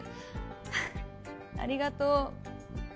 「ああありがとう。